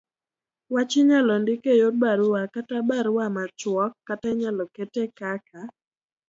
wach Inyalo ndik e yor barua ,kata barua machuok, kata inyalo kete kaka